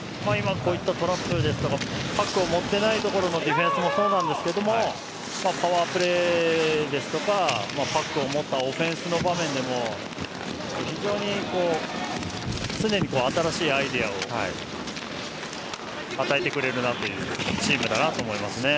こういったトラップですとかパックを持っていないところのディフェンスもそうですがパワープレーですとかパックを持ったオフェンスの場面でも常に新しいアイデアを与えてくれるチームだと思います。